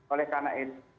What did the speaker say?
oleh karena itu